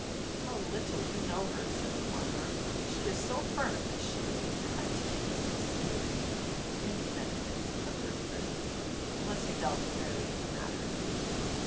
"How little you know her!" said the farmer. "She is so firm that she would be cut to pieces sooner than give you any benefit of her thrift, unless you dealt fairly in the matter."